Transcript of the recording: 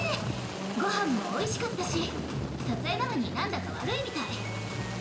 ご飯もおいしかったし撮影なのになんだか悪いみたい。